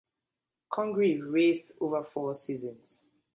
Congreve raced over four seasons.